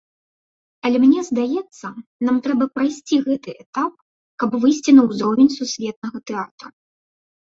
Але мне здаецца, нам трэба прайсці гэты этап, каб выйсці на ўзровень сусветнага тэатра.